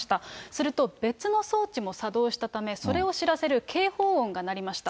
すると、別の装置も作動したため、それを知らせる警報音がなりました。